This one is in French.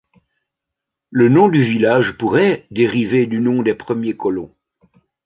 Le nom du village pourrait dériver du nom des premiers colons.